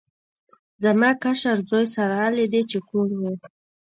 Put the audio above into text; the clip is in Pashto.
زما کشر زوی سره له دې چې کوڼ و.